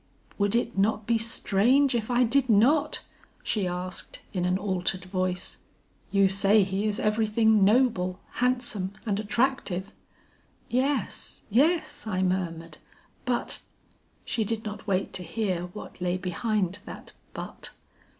"'Would it not be strange if I did not,' she asked in an altered voice. 'You say he is everything noble, handsome and attractive.' "Yes, yes,' I murmured, 'but ' "She did not wait to hear what lay behind that but.